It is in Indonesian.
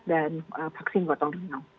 dan vaksin gotong dungau